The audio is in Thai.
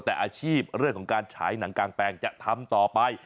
แต่อาชีพเรื่องของการฉายหนังกางแปลงจะทำต่อไป